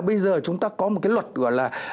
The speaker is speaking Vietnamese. bây giờ chúng ta có một cái luật gọi là